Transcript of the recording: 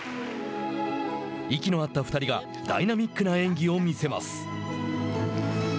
息の合った２人がダイナミックな演技を見せます。